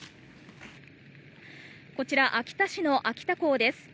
こちら、秋田市の秋田港です。